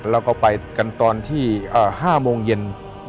แล้วก็ไปกันตอนที่๕โมงเย็น